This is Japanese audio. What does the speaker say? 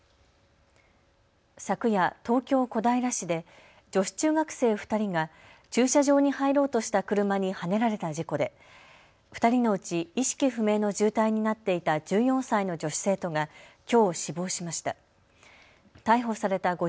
昨夜、東京小平市で女子中学生２人が駐車場に入ろうとした車にはねられた事故で２人のうち意識不明の重体になっていた１４歳の女子生徒がきょう死亡しました。